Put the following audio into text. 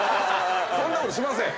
そんなことしません！